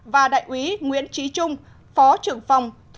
và đại úy nguyễn trí trung phó trưởng phòng